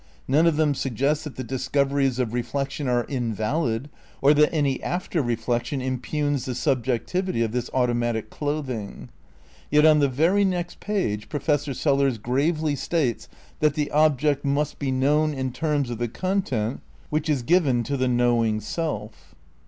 None of them suggest that the discoveries of reflection are invalid, or that any after reflection impugns the subjectivity of this automatic clothing. Yet on the very next page Professor Sellars gravely states that "the object must be known in terms of the content which is given to the knowing self."